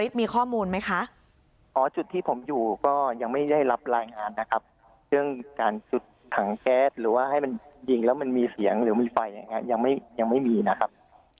รายงานนะครับเรื่องการจุดถังแก๊สหรือว่าให้มันยิงแล้วมันมีเสียงหรือมีไฟยังไม่มีนะครับ